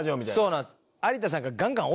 そうなんです。